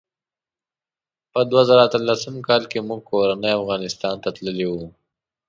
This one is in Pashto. په دوه زره اتلسم کال کې موږ کورنۍ افغانستان ته تللي وو.